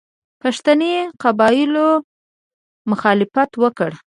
پښتني قبایلو مخالفت وکړ.